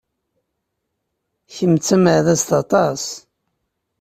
Kemm d tameɛdazt aṭas!